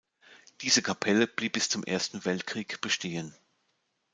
Diese Kapelle blieb bis zum Ersten Weltkrieg bestehen.